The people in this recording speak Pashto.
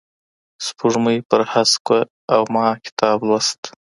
سپوږمۍ پر هسک وه او ما کتاب لوست.